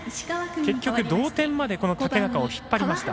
結局、同点まで竹中を引っ張りました。